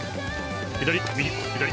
左右左右。